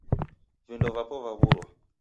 Vindo vapo vaw'urwa.